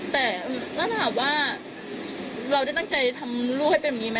แต่แล้วถามว่าเราได้ตั้งใจทำลูกให้เป็นแบบนี้ไหม